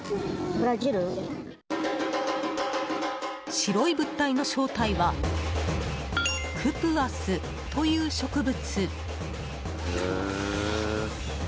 白い物体の正体はクプアスという植物。